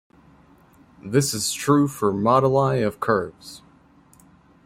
This is true for moduli of curves.